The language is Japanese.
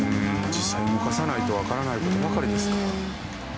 実際動かさないとわからない事ばかりですから。